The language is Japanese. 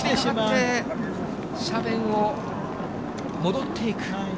斜面を戻っていく。